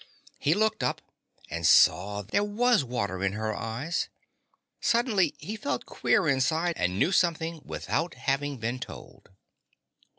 He looked up and saw there was water in her eyes! Suddenly he felt queer inside and knew something without having been told.